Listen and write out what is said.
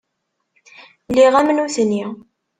Lliɣ am nutni.